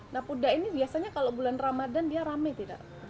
nah puda ini biasanya kalau bulan ramadhan dia rame tidak